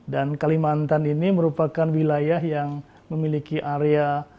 dan kalimantan ini merupakan wilayah yang memiliki area